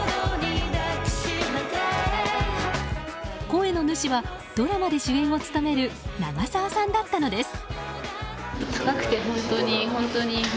声の主はドラマで主演を務める長澤さんだったのです。